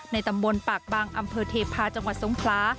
ตำบลปากบางอำเภอเทพาะจังหวัดทรงคลา